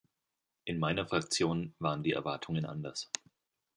In meiner Fraktion waren die Erwartungen anders.